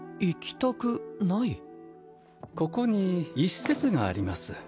ここに一節があります。